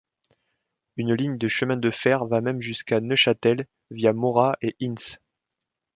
Une ligne de chemin de fer va même jusqu'à Neuchâtel via Morat et Ins.